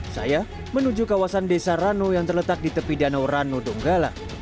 saya menuju kawasan desa rano yang terletak di tepi danau rano donggala